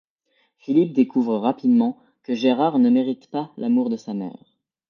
Philippe découvre rapidement que Gérard ne mérite pas l'amour de sa mère.